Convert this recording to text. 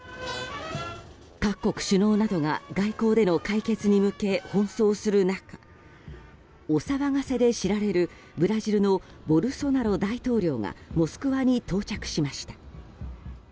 各国首脳などが外交での解決に向け奔走する中お騒がせで知られるブラジルのボルソナロ大統領がモスクワに到着しました。